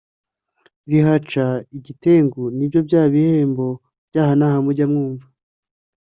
rihaca igitengu : ni byo bya bihembo by’ aha n’aha mujya mwumva!”